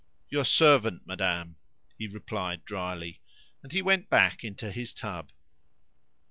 "Your servant, madame," he replied drily; and he went back into his tub.